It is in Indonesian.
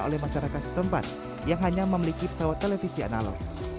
oleh masyarakat setempat yang hanya memiliki pesawat televisi analog